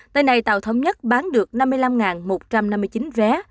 tới nay tàu thống nhất bán được năm mươi năm một trăm năm mươi chín vé